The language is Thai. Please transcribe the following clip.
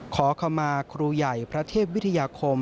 ขอขมาครูใหญ่พระเทพวิทยาคม